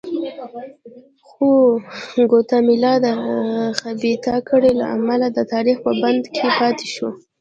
خو ګواتیمالا د خبیثه کړۍ له امله د تاریخ په بند کې پاتې شوه.